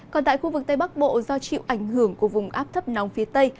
còn tại khu vực tây bắc bộ do chịu ảnh hưởng của vùng áp thấp nóng phía tây